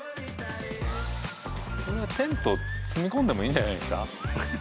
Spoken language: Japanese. これはテント積み込んでもいいんじゃないですか？